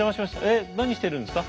えっ何してるんですか？